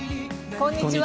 こんにちは。